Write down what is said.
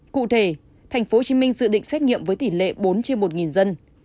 cụ thể tp hcm dự định xét nghiệm với tỷ lệ bốn trên một dân